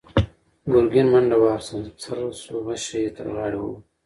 ګرګين منډه واخيسته، څررر شو، غشۍ يې تر غاړې ووت.